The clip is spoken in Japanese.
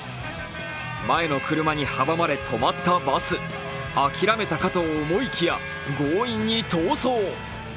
前の車に阻まれ止まったバス諦めたかと思いきや強引に逃走。